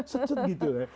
secut gitu ya